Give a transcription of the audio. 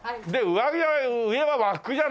上着は上は和服じゃないと。